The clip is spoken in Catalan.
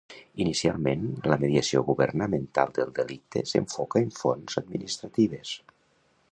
Inicialment, la mediació governamental del delicte s’enfoca en fonts administratives.